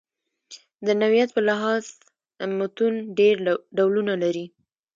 د نوعیت په لحاظ متون ډېر ډولونه لري.